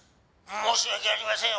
「申し訳ありません。